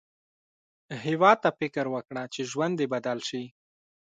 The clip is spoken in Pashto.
هیواد ته فکر وکړه، چې ژوند دې بدل شي